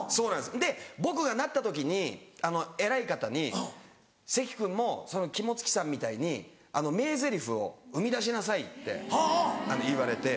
で僕がなった時に偉い方に「関君も肝付さんみたいに名ゼリフを生み出しなさい」って言われて。